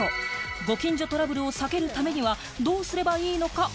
ご近所トラブルを避けるためにはどうすればいいのか？